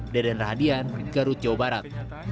deden rahadian garut jawa barat